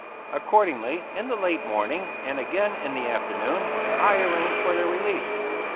Accordingly, in the late morning, and again in the afternoon, I arranged for their release.